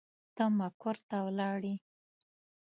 ته مقر ته ولاړې.